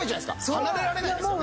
離れられないですよね。